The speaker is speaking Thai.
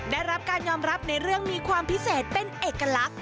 ได้รับการยอมรับในเรื่องมีความพิเศษเป็นเอกลักษณ